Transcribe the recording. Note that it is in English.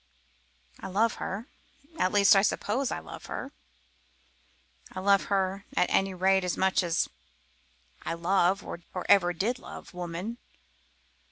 I love her, at least I suppose I love her. I love her at any rate as much as I love, or ever did love, woman.